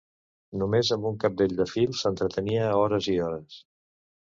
No més amb un cabdell de fil s'entretenia hores i hores